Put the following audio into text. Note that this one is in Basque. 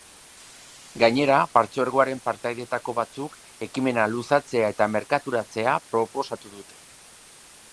Gainera, partzuergoaren partaideetako batzuk ekimena luzatzea eta merkaturatzea proposatu dute.